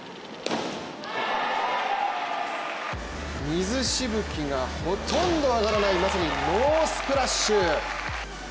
水しぶきがほとんど上がらないまさにノースプラッシュ！